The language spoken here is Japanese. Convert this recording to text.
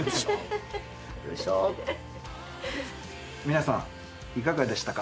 皆さんいかがでしたか？